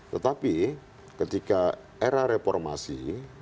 tetapi ketika era reformasi